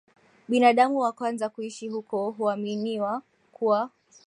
Binadamu wa kwanza kuishi huko huaminiwa kuwa